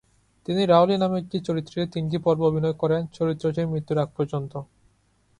তিনি রাউলী নামে একটি চরিত্রে তিনটি পর্বে অভিনয় করেন, চরিত্রটির মৃত্যুর আগ পর্যন্ত।